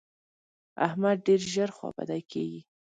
احمد ډېر ژر خوابدی کېږي.